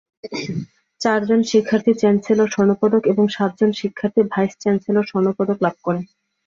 চারজন শিক্ষার্থী চ্যান্সেলর স্বর্ণপদক এবং সাতজন শিক্ষার্থী ভাইস চ্যান্সেলর স্বর্ণপদক লাভ করেন।